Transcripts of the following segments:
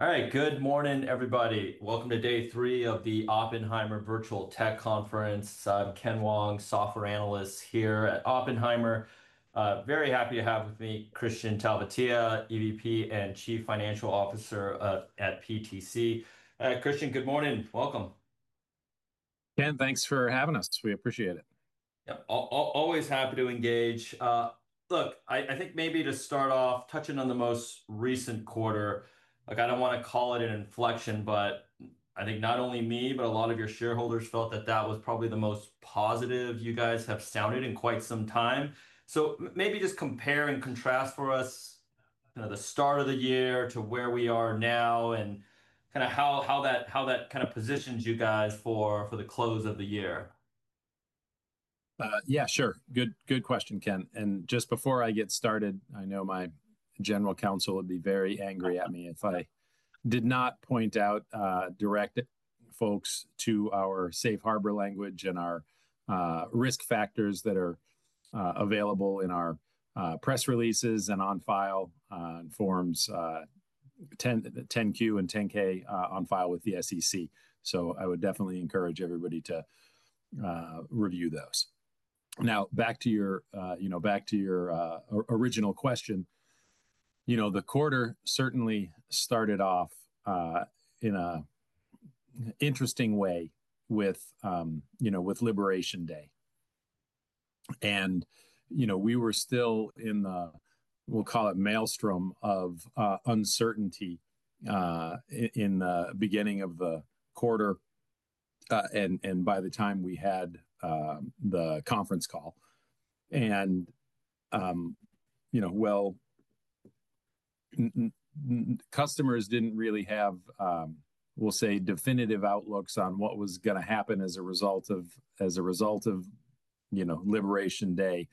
All right, good morning, everybody. Welcome to day three of the Oppenheimer Virtual Tech Conference. I'm Ken Wong, Software Analyst here at Oppenheimer. Very happy to have with me Kristian Talvitie, EVP and Chief Financial Officer at PTC. Kristian, good morning. Welcome. Ken, thanks for having us. We appreciate it. Yep, always happy to engage. Look, I think maybe to start off, touching on the most recent quarter, I don't want to call it an inflection, but I think not only me, but a lot of your shareholders felt that that was probably the most positive you guys have sounded in quite some time. Maybe just compare and contrast for us the start of the year to where we are now and kind of how that positions you guys for the close of the year. Yeah, sure. Good question, Ken. Just before I get started, I know my General Counsel would be very angry at me if I did not point out, direct folks to our safe harbor language and our risk factors that are available in our press releases and on file, and forms 10-Q and 10-K on file with the SEC. I would definitely encourage everybody to review those. Now, back to your original question, the quarter certainly started off in an interesting way with Liberation Day. We were still in the, we'll call it, maelstrom of uncertainty in the beginning of the quarter. By the time we had the conference call, customers did not really have definitive outlooks on what was going to happen as a result of Liberation Day.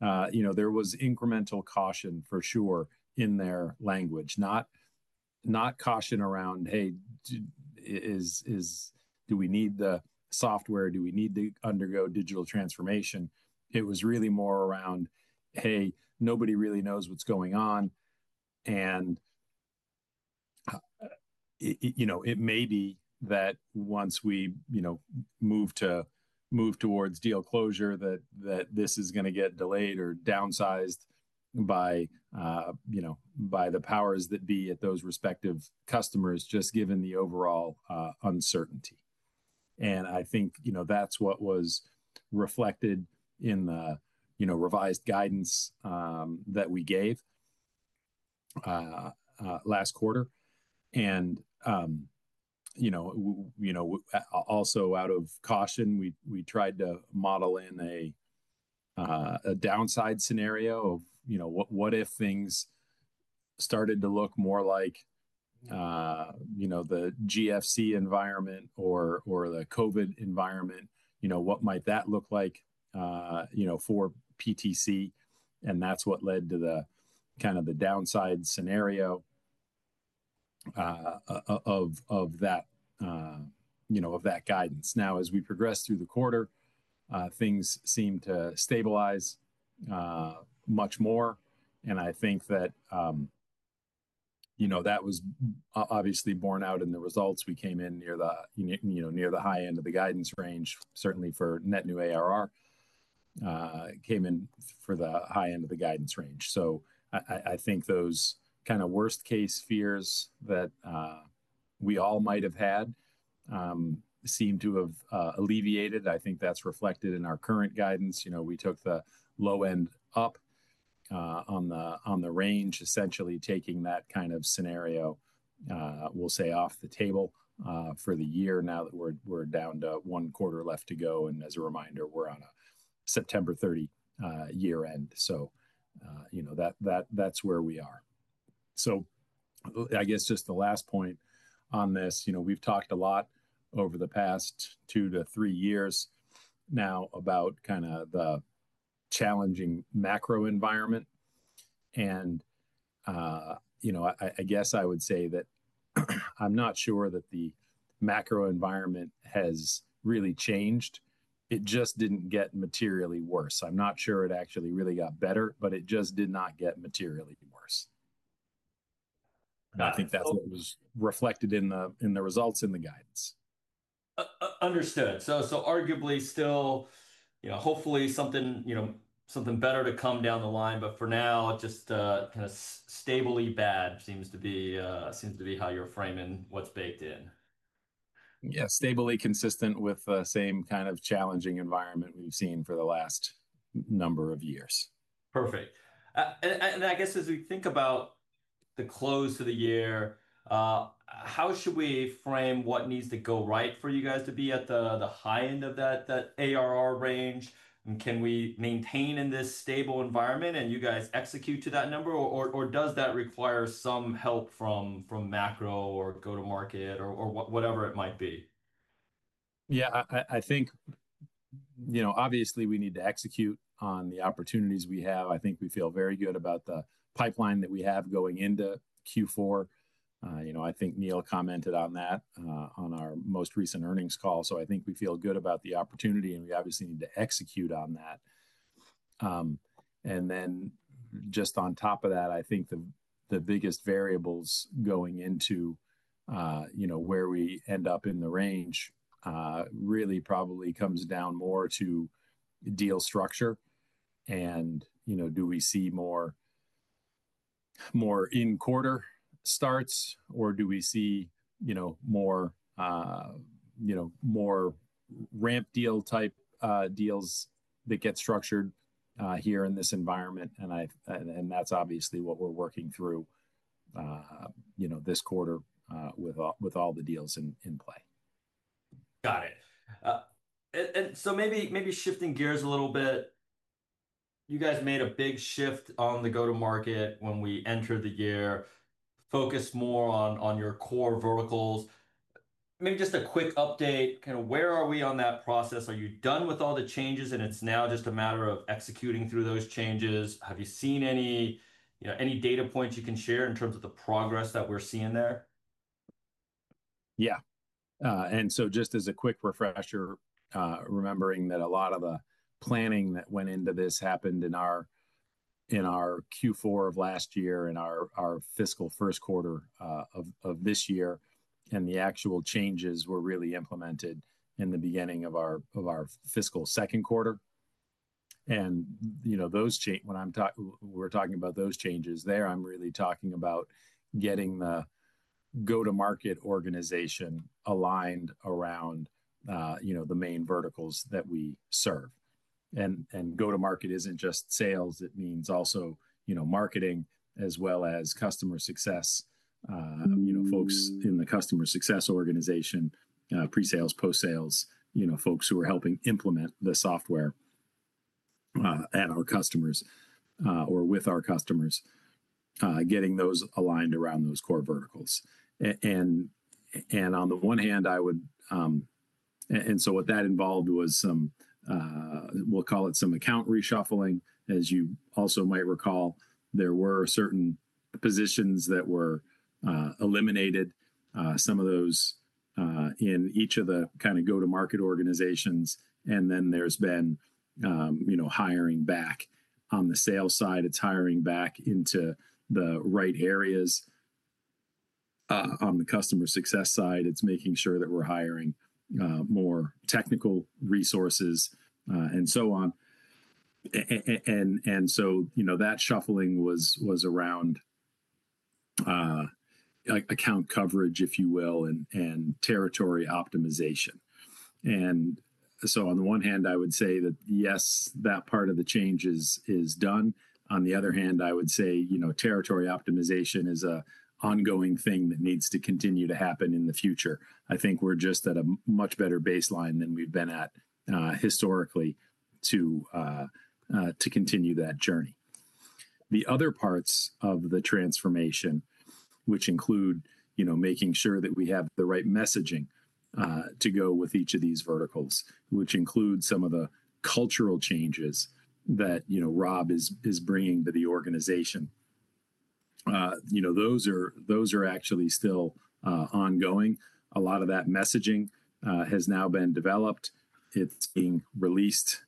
There was incremental caution for sure in their language, not caution around, hey, do we need the software, do we need to undergo digital transformation. It was really more around, hey, nobody really knows what's going on. It may be that once we move towards deal closure, this is going to get delayed or downsized by the powers that be at those respective customers, just given the overall uncertainty. I think that's what was reflected in the revised guidance that we gave last quarter. Also out of caution, we tried to model in a downside scenario of, what if things started to look more like the GFC environment or the COVID environment, what might that look like for PTC? That's what led to the kind of downside scenario of that guidance. As we progressed through the quarter, things seemed to stabilize much more. I think that was obviously borne out in the results. We came in near the high end of the guidance range, certainly for net new ARR, came in for the high end of the guidance range. I think those kind of worst-case fears that we all might have had seemed to have alleviated. I think that's reflected in our current guidance. We took the low end up on the range, essentially taking that kind of scenario off the table for the year, now that we're down to one quarter left to go. As a reminder, we're on a September 30 year end. That's where we are. I guess just the last point on this, we've talked a lot over the past two to three years now about kind of the challenging macro environment. I would say that I'm not sure that the macro environment has really changed. It just didn't get materially worse. I'm not sure it actually really got better, but it just did not get materially worse. I think that's what was reflected in the results in the guidance. Understood. Arguably still, you know, hopefully something, you know, something better to come down the line. For now, just kind of stably bad seems to be how you're framing what's baked in. Yeah, stably consistent with the same kind of challenging environment we've seen for the last number of years. Perfect. As we think about the close of the year, how should we frame what needs to go right for you guys to be at the high end of that ARR range? Can we maintain in this stable environment and you guys execute to that number, or does that require some help from macro or go-to-market or whatever it might be? Yeah, I think we need to execute on the opportunities we have. I think we feel very good about the pipeline that we have going into Q4. I think Neil commented on that on our most recent earnings call. I think we feel good about the opportunity and we need to execute on that. On top of that, I think the biggest variables going into where we end up in the range really probably comes down more to deal structure. Do we see more in-quarter starts or do we see more ramp deal type deals that get structured here in this environment? That's what we're working through this quarter with all the deals in play. Got it. Maybe shifting gears a little bit, you guys made a big shift on the go-to-market when we entered the year, focused more on your core verticals. Maybe just a quick update, kind of where are we on that process? Are you done with all the changes and it's now just a matter of executing through those changes? Have you seen any data points you can share in terms of the progress that we're seeing there? Yeah, and so just as a quick refresher, remembering that a lot of the planning that went into this happened in our Q4 of last year and our fiscal first quarter of this year. The actual changes were really implemented in the beginning of our fiscal second quarter. Those changes, when I'm talking, we're talking about those changes there, I'm really talking about getting the go-to-market organization aligned around the main verticals that we serve. Go-to-market isn't just sales. It means also marketing as well as customer success, folks in the customer success organization, pre-sales, post-sales, folks who are helping implement the software at our customers, or with our customers, getting those aligned around those core verticals. On the one hand, I would, and so what that involved was some, we'll call it some account reshuffling. As you also might recall, there were certain positions that were eliminated, some of those in each of the kind of go-to-market organizations. Then there's been hiring back on the sales side. It's hiring back into the right areas. On the customer success side, it's making sure that we're hiring more technical resources, and so on. That shuffling was around account coverage, if you will, and territory optimization. On the one hand, I would say that yes, that part of the change is done. On the other hand, I would say territory optimization is an ongoing thing that needs to continue to happen in the future. I think we're just at a much better baseline than we've been at historically to continue that journey. The other parts of the transformation, which include making sure that we have the right messaging to go with each of these verticals, which includes some of the cultural changes that Rob is bringing to the organization, those are actually still ongoing. A lot of that messaging has now been developed. It's being released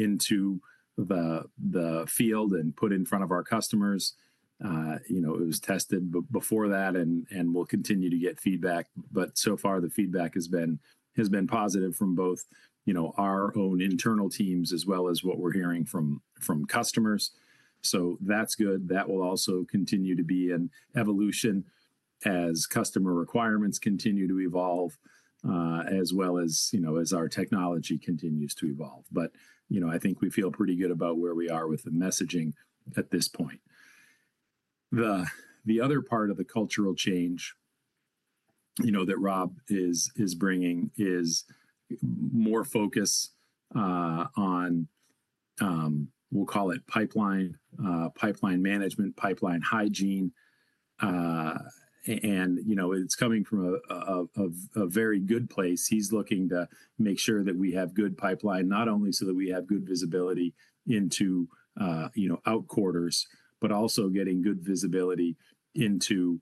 into the field and put in front of our customers. It was tested before that and we'll continue to get feedback. So far, the feedback has been positive from both our own internal teams as well as what we're hearing from customers. That's good. That will also continue to be an evolution as customer requirements continue to evolve, as well as, you know, as our technology continues to evolve. I think we feel pretty good about where we are with the messaging at this point. The other part of the cultural change that Rob is bringing is more focus on, we'll call it pipeline management, pipeline hygiene. It's coming from a very good place. He's looking to make sure that we have good pipeline, not only so that we have good visibility into out quarters, but also getting good visibility into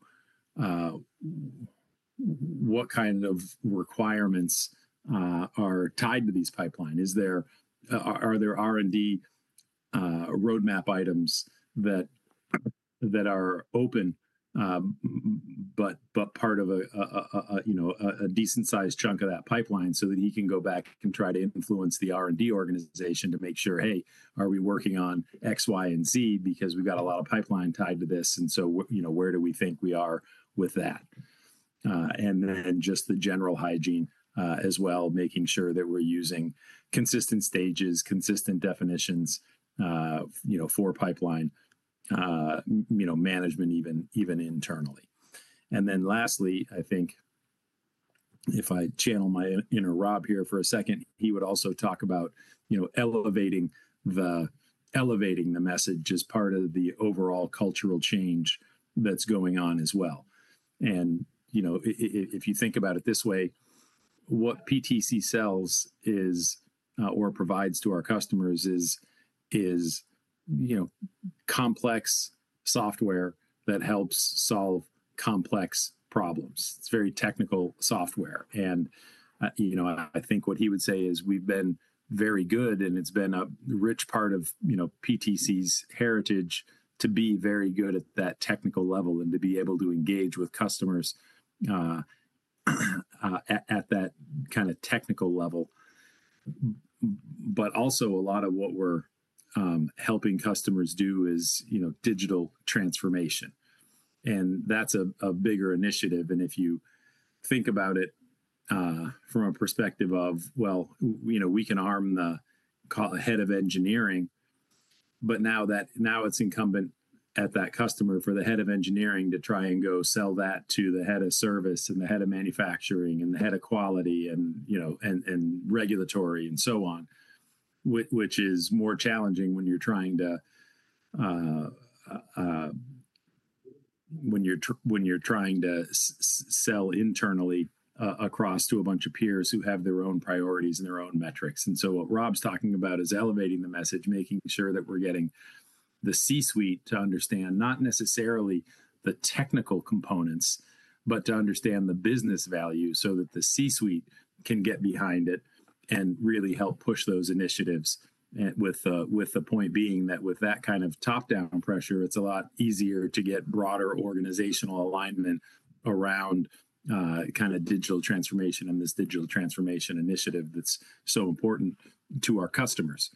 what kind of requirements are tied to these pipelines. Are there R&D roadmap items that are open, but part of a decent sized chunk of that pipeline so that he can go back and try to influence the R&D organization to make sure, hey, are we working on X, Y, and Z because we've got a lot of pipeline tied to this? Where do we think we are with that? Then just the general hygiene as well, making sure that we're using consistent stages, consistent definitions for pipeline management, even internally. Lastly, I think if I channel my inner Rob here for a second, he would also talk about elevating the message as part of the overall cultural change that's going on as well. If you think about it this way, what PTC sells is, or provides to our customers is, complex software that helps solve complex problems. It's very technical software. I think what he would say is we've been very good and it's been a rich part of PTC's heritage to be very good at that technical level and to be able to engage with customers at that kind of technical level. Also, a lot of what we're helping customers do is digital transformation. That's a bigger initiative. If you think about it from a perspective of, well, we can arm the head of engineering, but now it's incumbent at that customer for the head of engineering to try and go sell that to the head of service and the head of manufacturing and the head of quality and regulatory and so on, which is more challenging when you're trying to sell internally across to a bunch of peers who have their own priorities and their own metrics. What Rob is talking about is elevating the message, making sure that we're getting the C-suite to understand not necessarily the technical components, but to understand the business value so that the C-suite can get behind it and really help push those initiatives. The point being that with that kind of top-down pressure, it's a lot easier to get broader organizational alignment around digital transformation and this digital transformation initiative that's so important to our customers.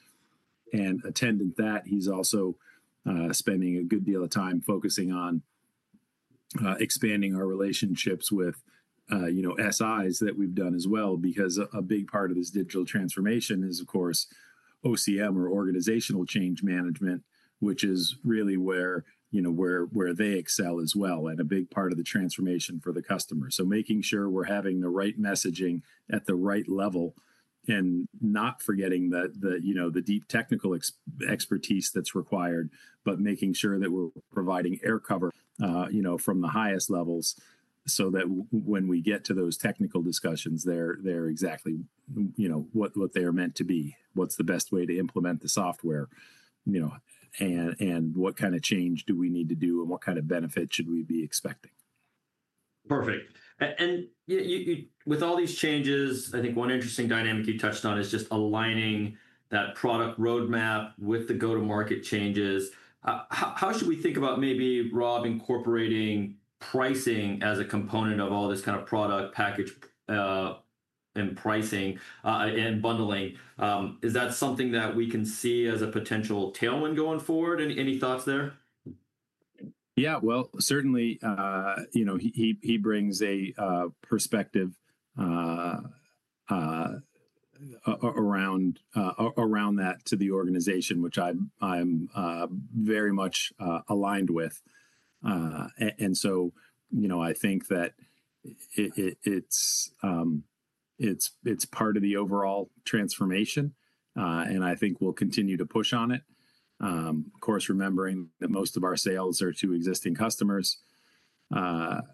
He is also spending a good deal of time focusing on expanding our relationships with SIs that we've done as well, because a big part of his digital transformation is, of course, organizational change management, which is really where they excel as well and a big part of the transformation for the customer. Making sure we're having the right messaging at the right level and not forgetting the deep technical expertise that's required, but making sure that we're providing air cover from the highest levels so that when we get to those technical discussions, they're exactly what they are meant to be, what's the best way to implement the software, and what kind of change do we need to do and what kind of benefit should we be expecting? Perfect. With all these changes, I think one interesting dynamic you touched on is just aligning that product roadmap with the go-to-market changes. How should we think about maybe Rob incorporating pricing as a component of all this kind of product package, and pricing, and bundling? Is that something that we can see as a potential tailwind going forward? Any thoughts there? Yeah, certainly, he brings a perspective around that to the organization, which I'm very much aligned with. I think that it's part of the overall transformation, and I think we'll continue to push on it. Of course, remembering that most of our sales are to existing customers, that's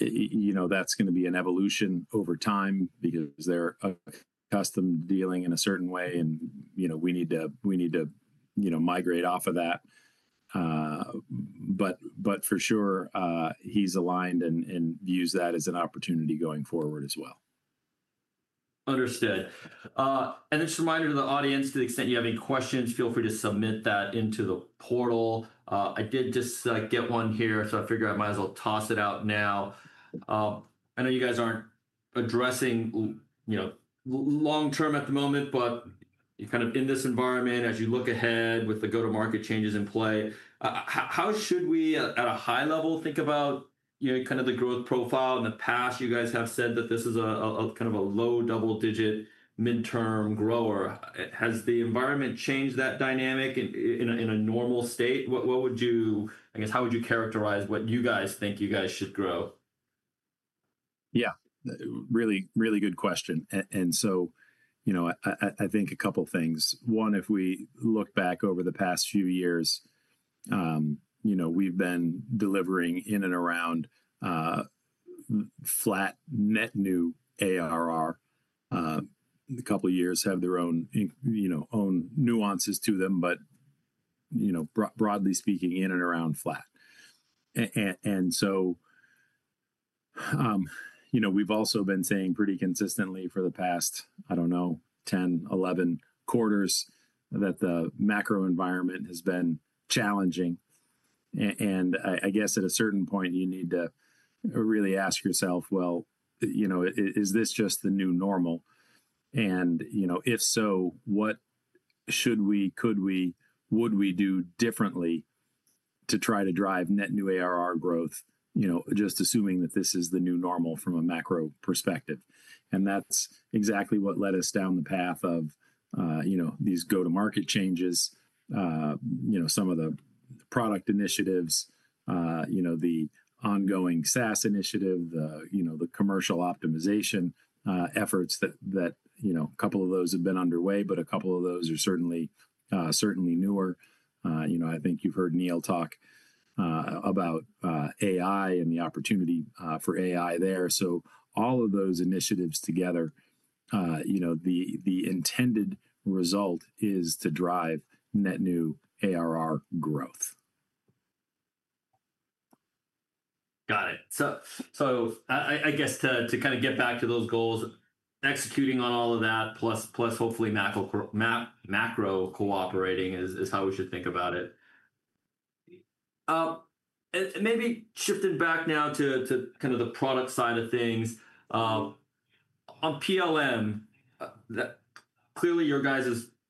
going to be an evolution over time because they're accustomed to dealing in a certain way. You know, we need to migrate off of that, but for sure, he's aligned and uses that as an opportunity going forward as well. Understood. Just a reminder to the audience, to the extent you have any questions, feel free to submit that into the portal. I did just get one here, so I figured I might as well toss it out now. I know you guys aren't addressing, you know, long-term at the moment, but you're kind of in this environment as you look ahead with the go-to-market changes in play. How should we, at a high level, think about, you know, kind of the growth profile? In the past, you guys have said that this is kind of a low double-digit midterm grower. Has the environment changed that dynamic in a normal state? How would you characterize what you guys think you guys should grow? Yeah, really, really good question. I think a couple of things. One, if we look back over the past few years, we've been delivering in and around flat net new ARR. The couple of years have their own nuances to them, but broadly speaking, in and around flat. We've also been saying pretty consistently for the past, I don't know, 10, 11 quarters that the macro environment has been challenging. I guess at a certain point, you need to really ask yourself, is this just the new normal? If so, what should we, could we, would we do differently to try to drive net new ARR growth, just assuming that this is the new normal from a macro perspective? That's exactly what led us down the path of these go-to-market changes, some of the product initiatives, the ongoing SaaS initiative, the commercial optimization efforts that, a couple of those have been underway, but a couple of those are certainly newer. I think you've heard Neil talk about AI and the opportunity for AI there. All of those initiatives together, the intended result is to drive net new ARR growth. Got it. I guess to kind of get back to those goals, executing on all of that, plus hopefully macro cooperating, is how we should think about it. Maybe shifting back now to kind of the product side of things, on PLM, clearly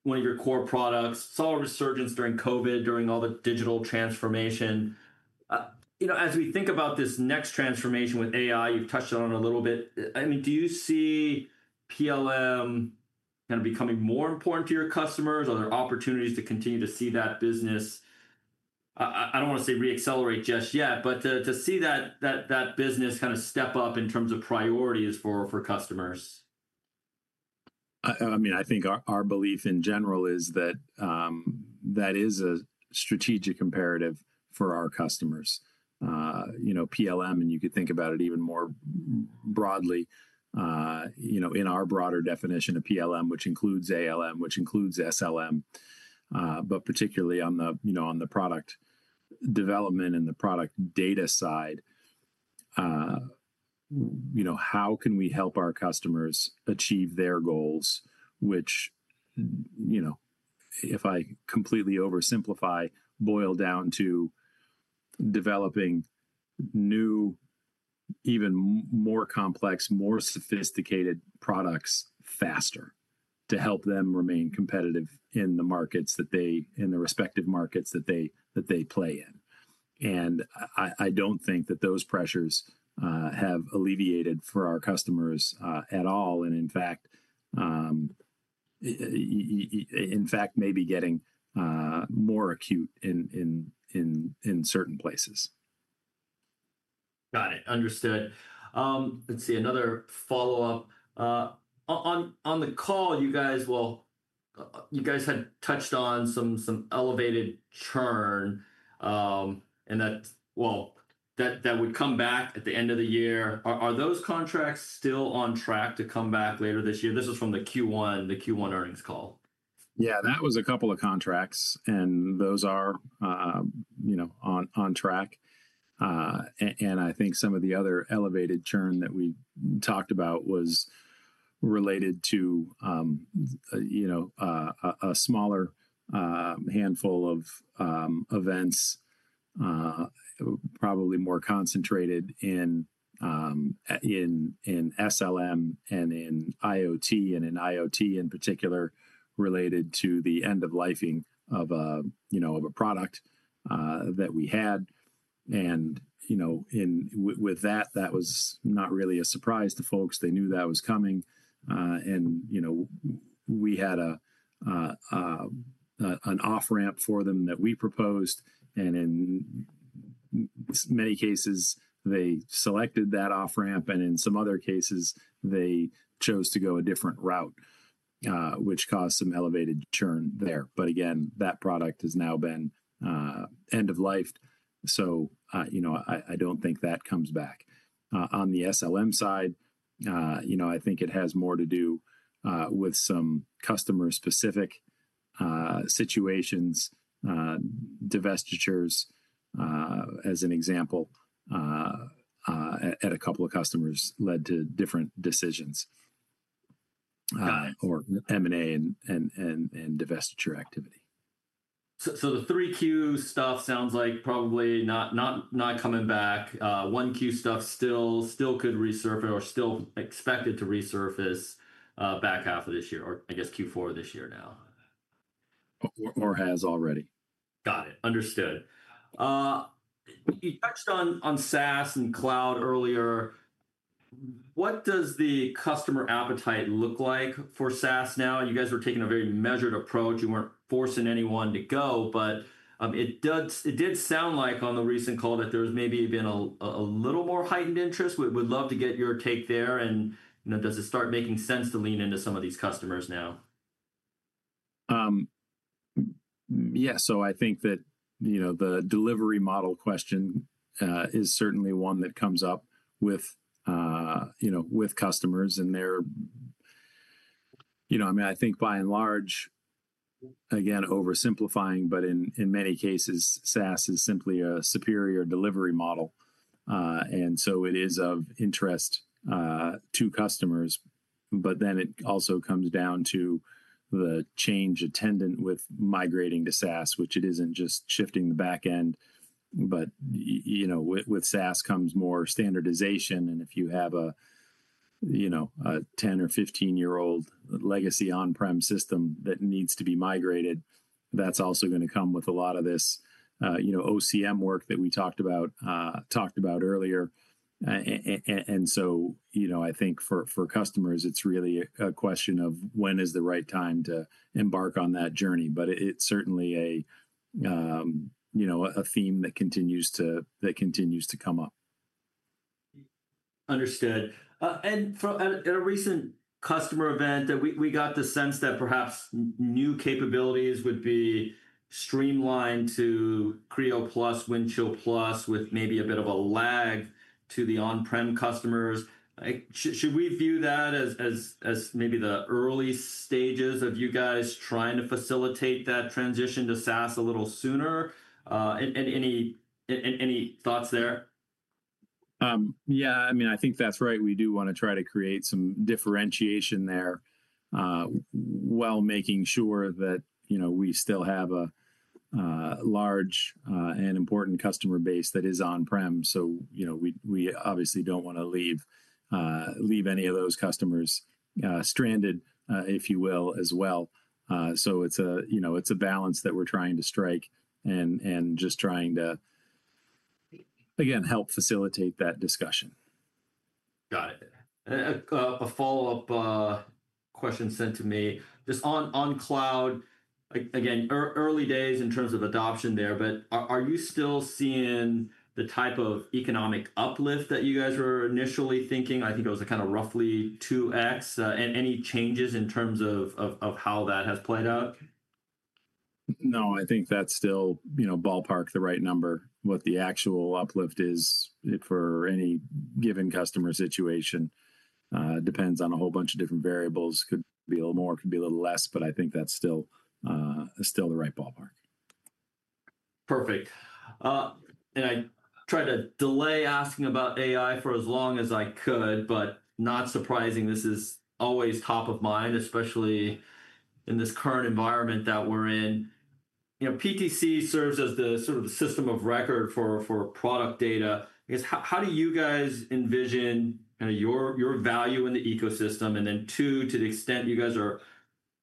one of your core products, saw a resurgence during COVID, during all the digital transformation. As we think about this next transformation with AI, you've touched on it a little bit. I mean, do you see PLM kind of becoming more important to your customers? Are there opportunities to continue to see that business? I don't want to say re-accelerate just yet, but to see that business kind of step up in terms of priorities for customers. I think our belief in general is that is a strategic imperative for our customers. You know, PLM, and you could think about it even more broadly, in our broader definition of PLM, which includes ALM, which includes SLM, but particularly on the product development and the product data side, how can we help our customers achieve their goals, which, if I completely oversimplify, boil down to developing new, even more complex, more sophisticated products faster to help them remain competitive in the markets that they play in. I don't think that those pressures have alleviated for our customers at all. In fact, maybe getting more acute in certain places. Got it. Understood. Let's see another follow-up. On the call, you guys had touched on some elevated churn, and that would come back at the end of the year. Are those contracts still on track to come back later this year? This is from the Q1 earnings call. Yeah, that was a couple of contracts and those are on track. I think some of the other elevated churn that we talked about was related to a smaller handful of events, probably more concentrated in SLM and in IoT, and in IoT in particular related to the end of lifing of a product that we had. That was not really a surprise to folks. They knew that was coming, and we had an off-ramp for them that we proposed. In many cases, they selected that off-ramp and in some other cases, they chose to go a different route, which caused some elevated churn there. That product has now been end of life. I don't think that comes back. On the SLM side, I think it has more to do with some customer-specific situations. Divestitures, as an example, at a couple of customers led to different decisions, or M&A and divestiture activity. The 3Q stuff sounds like probably not coming back. 1Q stuff still could resurface or still expected to resurface back half of this year, or I guess Q4 of this year now. Or has already. Got it. Understood. You touched on SaaS and cloud earlier. What does the customer appetite look like for SaaS now? You guys were taking a very measured approach. You weren't forcing anyone to go, but it did sound like on the recent call that there's maybe been a little more heightened interest. We'd love to get your take there. Does it start making sense to lean into some of these customers now? I think that the delivery model question is certainly one that comes up with customers and their, you know, I mean, I think by and large, again, oversimplifying, but in many cases, SaaS is simply a superior delivery model. It is of interest to customers. It also comes down to the change attendant with migrating to SaaS, which isn't just shifting the backend. With SaaS comes more standardization. If you have a 10 or 15-year-old legacy on-prem system that needs to be migrated, that's also going to come with a lot of this OCM work that we talked about earlier. I think for customers, it's really a question of when is the right time to embark on that journey. It's certainly a theme that continues to come up. Understood. In a recent customer event, we got the sense that perhaps new capabilities would be streamlined to Creo Plus and Windchill Plus, with maybe a bit of a lag to the on-prem customers. Should we view that as maybe the early stages of you guys trying to facilitate that transition to SaaS a little sooner? Any thoughts there? Yeah, I mean, I think that's right. We do want to try to create some differentiation there, while making sure that, you know, we still have a large and important customer base that is on-prem. We obviously don't want to leave any of those customers stranded, if you will, as well. It's a balance that we're trying to strike and just trying to, again, help facilitate that discussion. Got it. A follow-up question sent to me just on cloud, again, early days in terms of adoption there, but are you still seeing the type of economic uplift that you guys were initially thinking? I think it was a kind of roughly 2x. Any changes in terms of how that has played out? No, I think that's still, you know, ballpark the right number. What the actual uplift is for any given customer situation depends on a whole bunch of different variables. Could be a little more, could be a little less, but I think that's still the right ballpark. Perfect. I tried to delay asking about AI for as long as I could, but not surprising. This is always top of mind, especially in this current environment that we're in. You know, PTC serves as the sort of the system of record for product data. I guess how do you guys envision kind of your value in the ecosystem? To the extent you guys are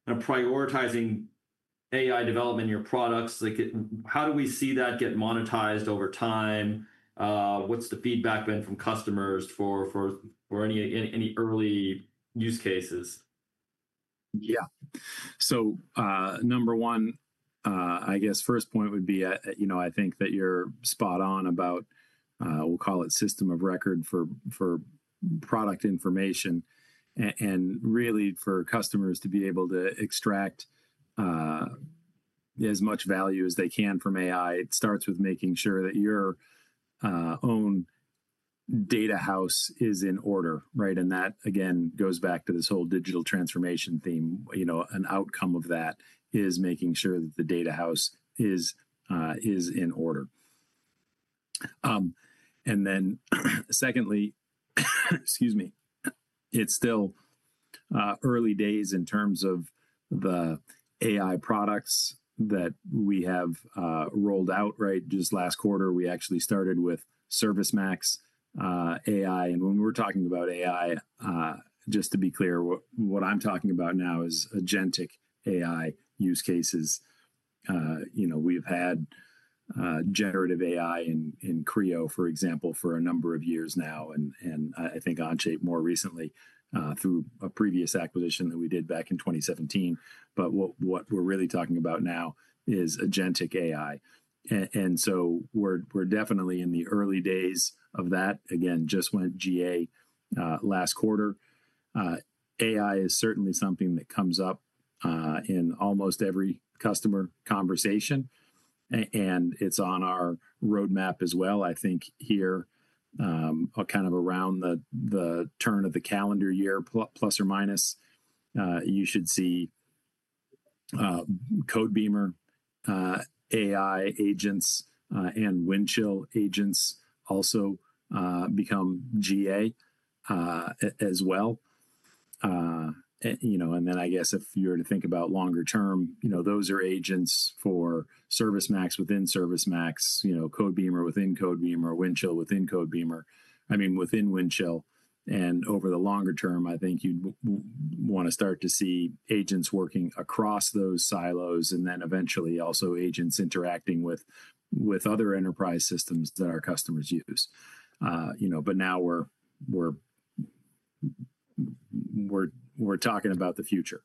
kind of prioritizing AI development in your products, how do we see that get monetized over time? What's the feedback been from customers for any early use cases? Yeah. Number one, I guess first point would be, you know, I think that you're spot on about, we'll call it system of record for product information and really for customers to be able to extract as much value as they can from AI. It starts with making sure that your own data house is in order, right? That again goes back to this whole digital transformation theme. An outcome of that is making sure that the data house is in order. Secondly, it's still early days in terms of the AI products that we have rolled out, right? Just last quarter, we actually started with ServiceMax AI. When we were talking about AI, just to be clear, what I'm talking about now is agentic AI use cases. We've had generative AI in Creo, for example, for a number of years now, and I think Onshape more recently, through a previous acquisition that we did back in 2017. What we're really talking about now is agentic AI, so we're definitely in the early days of that. Again, just went GA last quarter. AI is certainly something that comes up in almost every customer conversation, and it's on our roadmap as well. I think here, kind of around the turn of the calendar year, plus or minus, you should see Codebeamer AI agents and Windchill agents also become GA as well. If you were to think about longer term, those are agents for ServiceMax within ServiceMax, Codebeamer within Codebeamer, Windchill within Windchill. Over the longer term, I think you'd want to start to see agents working across those silos and eventually also agents interacting with other enterprise systems that our customers use. Now we're talking about the future.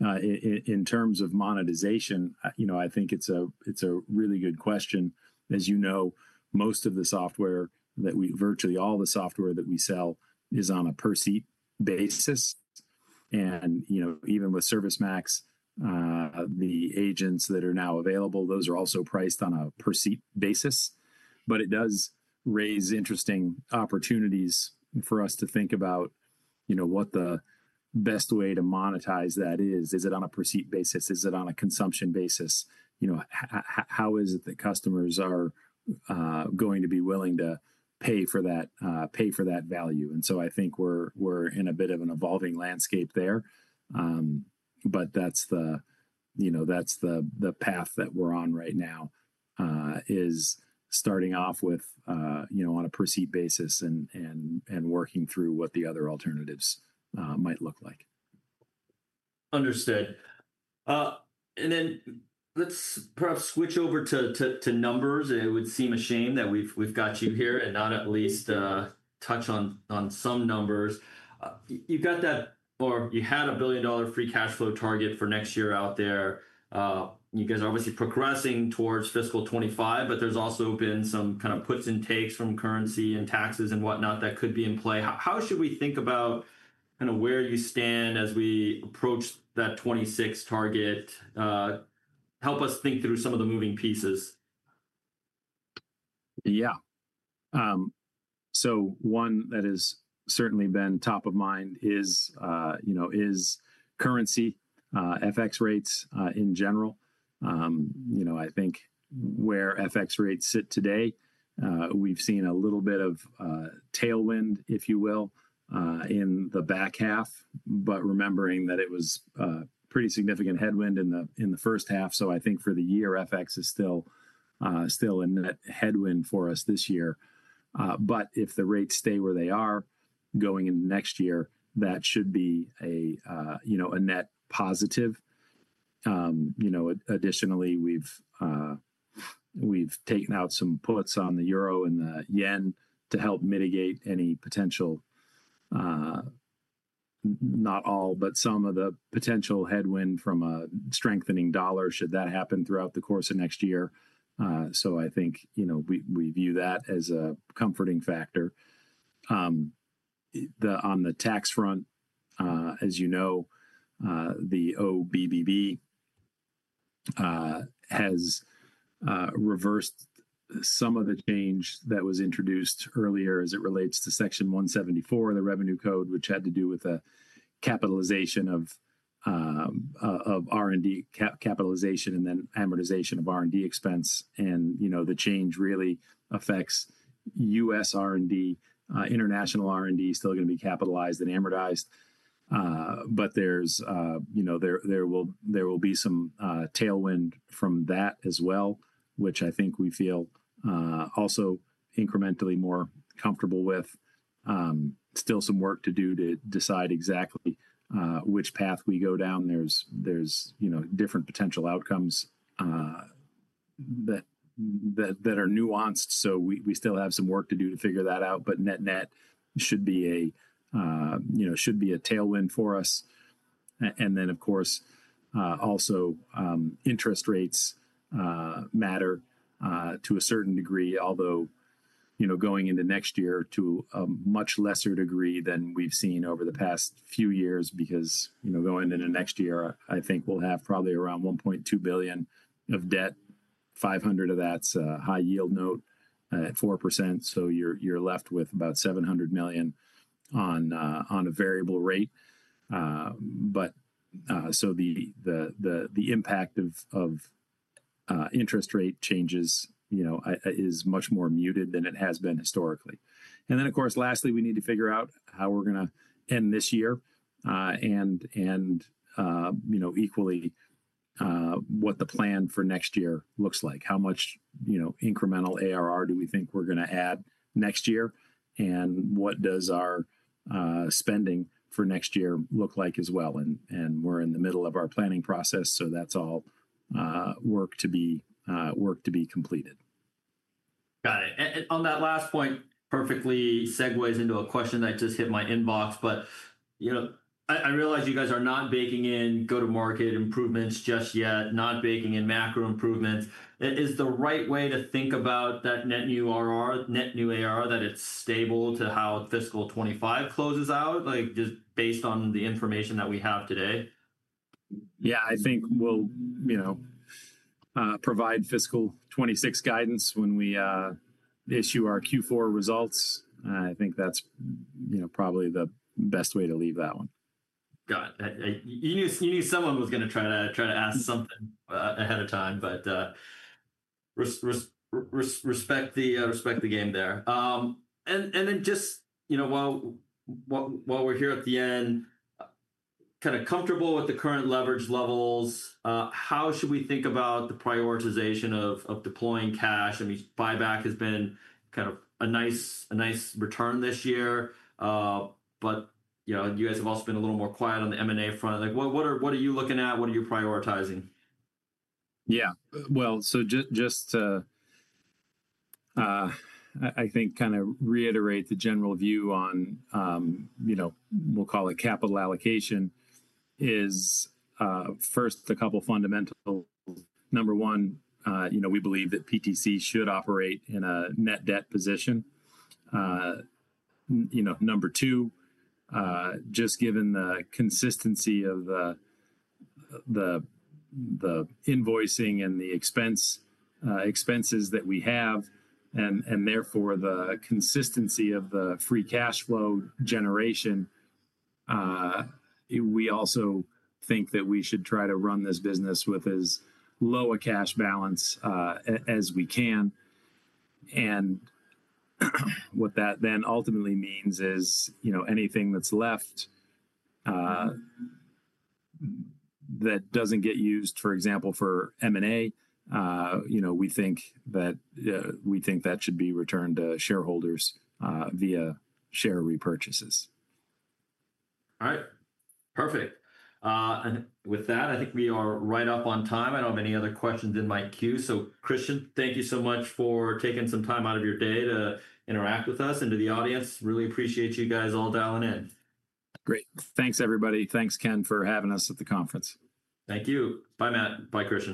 In terms of monetization, I think it's a really good question. As you know, most of the software that we, virtually all the software that we sell is on a per-seat basis. Even with ServiceMax, the agents that are now available, those are also priced on a per-seat basis. It does raise interesting opportunities for us to think about what the best way to monetize that is. Is it on a per-seat basis? Is it on a consumption basis? How is it that customers are going to be willing to pay for that, pay for that value? I think we're in a bit of an evolving landscape there, but that's the path that we're on right now, starting off with on a per-seat basis and working through what the other alternatives might look like. Understood. Let's perhaps switch over to numbers. It would seem a shame that we've got you here and not at least touch on some numbers. You've got that, or you had a $1 billion free cash flow target for next year out there. You guys are obviously progressing towards fiscal 2025, but there's also been some kind of puts and takes from currency and taxes and whatnot that could be in play. How should we think about where you stand as we approach that 2026 target? Help us think through some of the moving pieces. Yeah, so one that has certainly been top of mind is, you know, is currency, FX rates, in general. I think where FX rates sit today, we've seen a little bit of tailwind, if you will, in the back half, but remembering that it was a pretty significant headwind in the first half. I think for the year, FX is still in that headwind for us this year, but if the rates stay where they are going into next year, that should be a net positive. Additionally, we've taken out some puts on the euro and the yen to help mitigate any potential, not all, but some of the potential headwind from a strengthening dollar should that happen throughout the course of next year. I think we view that as a comforting factor. On the tax front, as you know, the OBBB has reversed some of the change that was introduced earlier as it relates to Section 174, the revenue code, which had to do with a capitalization of R&D capitalization and then amortization of R&D expense. The change really affects U.S. R&D; international R&D is still going to be capitalized and amortized. There will be some tailwind from that as well, which I think we feel also incrementally more comfortable with. Still some work to do to decide exactly which path we go down. There are different potential outcomes that are nuanced. We still have some work to do to figure that out, but net net should be a tailwind for us. Of course, also, interest rates matter to a certain degree, although going into next year to a much lesser degree than we've seen over the past few years, because going into next year, I think we'll have probably around $1.2 billion of debt. $500 million of that's a high yield note at 4%. So you're left with about $700 million on a variable rate. The impact of interest rate changes is much more muted than it has been historically. Lastly, we need to figure out how we're going to end this year and, equally, what the plan for next year looks like. How much incremental ARR do we think we're going to add next year? What does our spending for next year look like as well? We're in the middle of our planning process, so that's all work to be completed. Got it. On that last point, perfectly segues into a question that just hit my inbox, but you know, I realize you guys are not baking in go-to-market improvements just yet, not baking in macro improvements. Is the right way to think about that net new ARR, net new ARR, that it's stable to how fiscal 2025 closes out, like just based on the information that we have today? I think we'll provide fiscal 2026 guidance when we issue our Q4 results. I think that's probably the best way to leave that one. Got it. You knew someone was going to try to ask something ahead of time, but respect the game there. While we're here at the end, kind of comfortable with the current leverage levels, how should we think about the prioritization of deploying cash? I mean, buyback has been kind of a nice return this year, but you guys have also been a little more quiet on the M&A front. What are you looking at? What are you prioritizing? Yeah, just to reiterate the general view on, you know, we'll call it capital allocation is, first a couple of fundamental things. Number one, we believe that PTC should operate in a net debt position. Number two, just given the consistency of the invoicing and the expenses that we have, and therefore the consistency of the free cash flow generation, we also think that we should try to run this business with as low a cash balance as we can. What that then ultimately means is, anything that's left, that doesn't get used, for example, for M&A, we think that should be returned to shareholders via share repurchases. All right. Perfect. With that, I think we are right up on time. I don't have any other questions in my queue. So Kristian, thank you so much for taking some time out of your day to interact with us, and to the audience, really appreciate you guys all dialing in. Great. Thanks, everybody. Thanks, Ken, for having us at the conference. Thank you. Bye, Matt. Bye, Kristian.